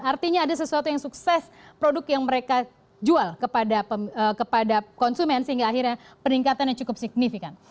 artinya ada sesuatu yang sukses produk yang mereka jual kepada konsumen sehingga akhirnya peningkatannya cukup signifikan